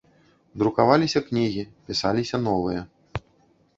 Друкаваліся кнігі, пісаліся новыя.